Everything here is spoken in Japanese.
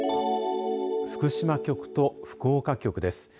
福島局と福岡局です。